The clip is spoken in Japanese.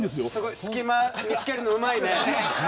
隙間見つけるのうまいね。